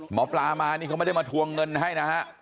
หมอปลามานี่เขาไม่ได้มาทวงเงินให้นะฮะ